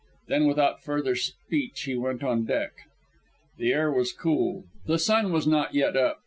Then without further speech he went on deck. The air was cool. The sun was not yet up.